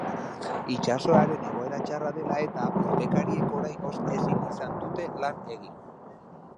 Itsasoaren egoera txarra dela eta, urpekariek oraingoz ezin izan dute lan egin.